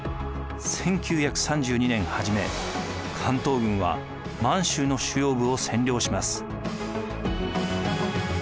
１９３２年初め関東軍は満州の主要部を占領します。